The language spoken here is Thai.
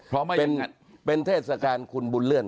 เพราะไม่อย่างงั้นเป็นเทศกาลคุณบุญเลื่อน